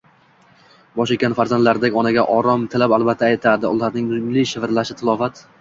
bosh eggan farzandlardek onaga orom tilab alla aytadi. Ularning mungli shivirlashi tilovat